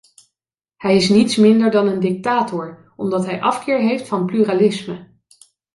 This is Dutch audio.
Hij is niets minder dan een dictator, omdat hij een afkeer heeft van pluralisme.